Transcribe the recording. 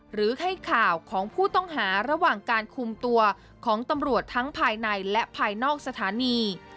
หรือให้ข่าวของผู้ต้องหาระหว่างการคุมตัวของตำรวจทั้งภายในและภายนอกสถานี